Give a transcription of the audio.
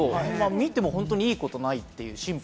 見ても本当にいいことないっていう。